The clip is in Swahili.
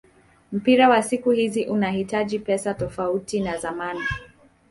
Mpira wa siku hizi unahitaji pesa tofauti na zamani